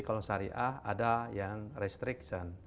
kalau syariah ada yang restriction